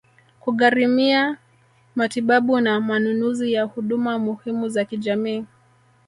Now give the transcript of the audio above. kugharimia matibabu na manunuzi ya huduma muhimu za kijamii